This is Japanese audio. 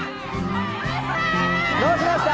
どうしました？